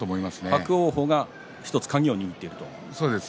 伯桜鵬が１つ鍵を握っていると。